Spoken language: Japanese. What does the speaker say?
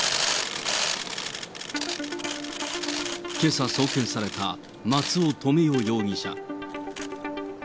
けさ送検された、松尾留与容疑者。